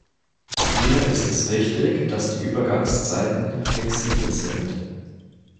Hier ist es wichtig, dass die Übergangszeiten flexibel sind.